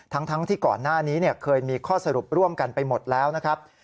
ทั้งที่ก่อนหน้านี้เคยมีข้อสรุปร่วมกันไปหมดแล้วนะครับ